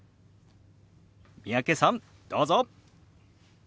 三宅さんどうぞ。